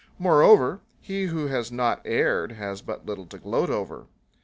Moreover, he who has not erred has but little to gloat over.